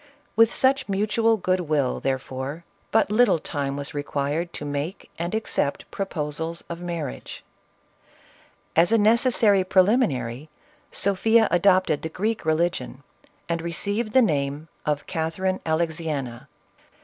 With such mutual good will, therefore, but little time was required to make and accept proposals of marriage. As a necessary prelimi nary, Sophia adopted the Greek religion, and received the name of Catherine Alexiena.